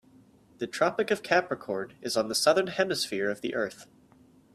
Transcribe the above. The Tropic of Capricorn is on the Southern Hemisphere of the earth.